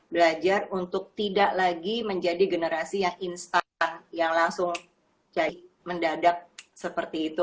belajar untuk tidak lagi menjadi generasi yang instan yang langsung mendadak seperti itu